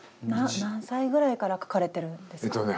何歳ぐらいから書かれているんですか？